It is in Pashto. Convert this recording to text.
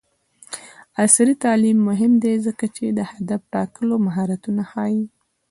عصري تعلیم مهم دی ځکه چې د هدف ټاکلو مهارتونه ښيي.